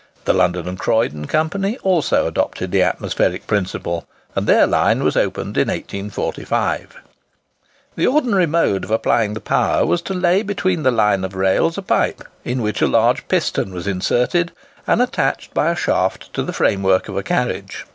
The London and Croydon Company also adopted the atmospheric principle; and their line was opened in 1845. The ordinary mode of applying the power was to lay between the line of rails a pipe, in which a large piston was inserted, and attached by a shaft to the framework of a carriage.